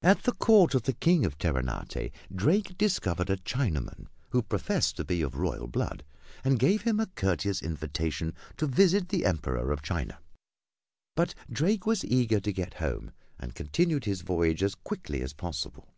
At the court of the King of Terenate Drake discovered a Chinaman, who professed to be of royal blood, and gave him a courteous invitation to visit the Emperor of China. But Drake was eager to get home and continued his voyage as quickly as possible.